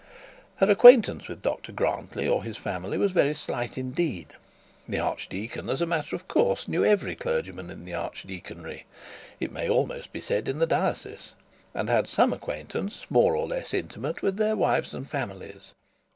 Her acquaintance with Dr Grantly or his family were very slight indeed. The archdeacon, as a matter of course, knew every clergyman in the archdeaconry; it may almost be said the diocese, and had some acquaintance, more or less intimate, with their wives and families.